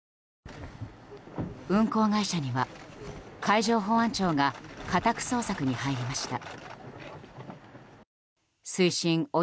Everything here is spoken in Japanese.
運航会社には海上保安庁が家宅捜索に入りました。